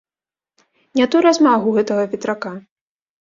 Не той размах у гэтага ветрака.